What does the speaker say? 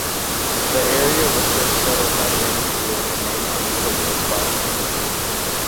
The area was first settled by James Ward and named Arminta Ward's Bottom.